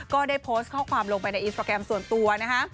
ก็ได้โพสต์ข้อความลงไปในอินสตราแกรมส่วนตัวนะคะ